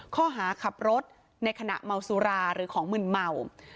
ข้อหาขับรถในขณะเมาสุราหรือของมึนเมา